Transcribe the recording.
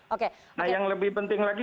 oke nah yang lebih penting lagi